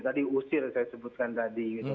tadi usir saya sebutkan tadi